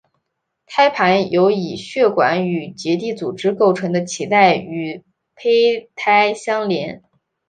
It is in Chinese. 胎盘由以血管与结缔组织构成的脐带与胚胎相连。